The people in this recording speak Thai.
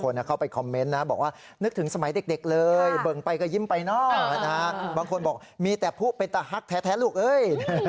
เข้าไปคอมเมนต์นะบอกว่านึกถึงสมัยเด็กเลยเบิ่งไปก็ยิ้มไปเนอะบางคนบอกมีแต่ผู้เป็นตะฮักแท้ลูกเอ้ย